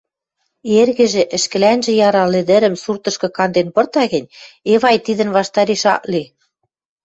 Эргӹжӹ ӹшкӹлӓнжӹ ярал ӹдӹрӹм суртышкы канден пырта гӹнь, Эвай тидӹн ваштареш ак ли.